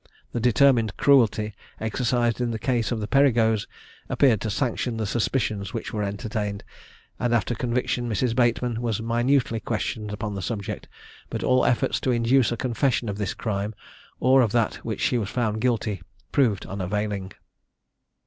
The determined cruelty exercised in the case of the Perigos appeared to sanction the suspicions which were entertained, and after conviction Mrs. Bateman was minutely questioned upon the subject, but all efforts to induce a confession of this crime, or of that of which she was found guilty, proved unavailing.